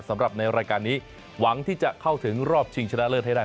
สำหรับในรายการนี้หวังที่จะเข้าถึงรอบชิงชนะเลิศให้ได้